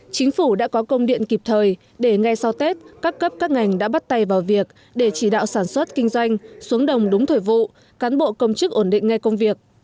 chính phủ đã có công điện kịp thời để ngay sau tết các cấp các ngành đã bắt tay vào việc để chỉ đạo sản xuất kinh doanh xuống đồng đúng thời vụ cán bộ công chức ổn định ngay công việc